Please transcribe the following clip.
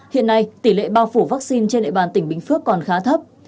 hiện nay tỷ lệ bao phủ vaccine trên địa bàn tỉnh bình phước còn khá thấp